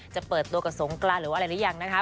จะเปิดตัวกับสงกรานหรืออะไรหรือยังนะคะ